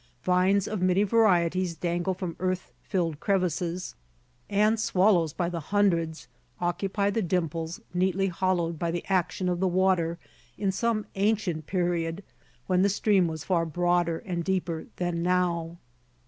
Vines of many varieties dangle from earth filled crevices, and swallows by the hundreds occupy the dimples neatly hollowed by the action of the water in some ancient period when the stream was far broader and deeper than now.